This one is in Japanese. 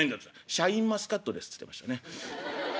「シャインマスカットです」って言ってましたね。